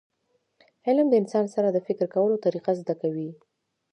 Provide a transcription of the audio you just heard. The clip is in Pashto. علم د انسان سره د فکر کولو طریقه زده کوي.